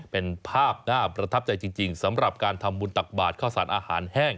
เป็นภาพน่าประทับใจจริงสำหรับการทำบุญตักบาทข้าวสารอาหารแห้ง